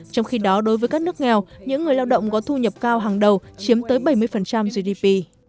trong khi đó đối với các nước nghèo những người lao động có thu nhập cao hàng đầu chiếm tới bảy mươi gdp